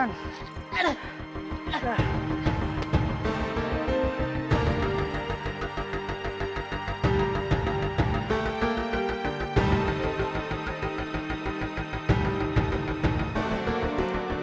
ingat tiga ratus ribu